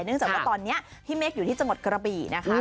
จากว่าตอนนี้พี่เมฆอยู่ที่จังหวัดกระบี่นะคะ